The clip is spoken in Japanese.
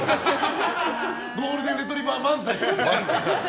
ゴールデンレトリーバー漫才。